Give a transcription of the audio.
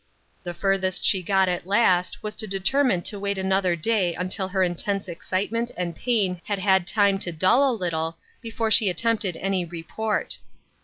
The furthest she got at last, was to determine to wait another day until her intense excitement and pain had had time to dull a little before she attempted any re port.